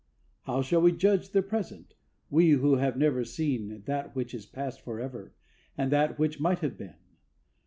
How shall we judge their present, we who have never seen That which is past forever, and that which might have been?